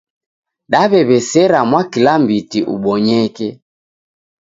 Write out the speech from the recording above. Daw'ew'esera mwakilambiti ubonyeke